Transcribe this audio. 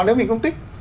nếu mình không thích